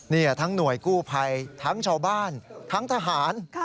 นี่แหละทั้งหน่วยกู้ไภทั้งช่อบ้านทั้งทหาร